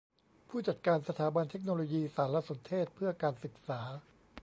ผู้จัดการสถาบันเทคโนโลยีสารสนเทศเพื่อการศึกษา